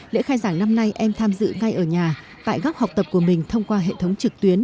lễ khai giảng năm nay em tham dự ngay ở nhà tại góc học tập của mình thông qua hệ thống trực tuyến